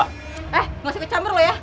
eh mau ikut campur lu ya